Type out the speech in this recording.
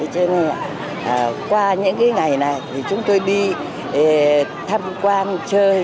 cho nên qua những cái ngày này thì chúng tôi đi tham quan chơi